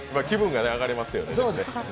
気分が上がりますよね。